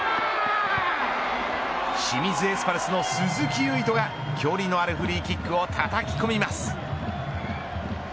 清水エスパルスの鈴木唯人が距離のあるフリーキックを叩き込みます。